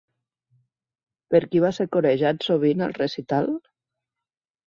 Per qui va ser corejat sovint el recital?